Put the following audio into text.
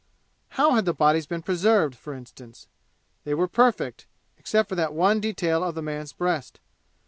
How had the bodies been preserved, for instance? They were perfect, except for that one detail of the man's breast.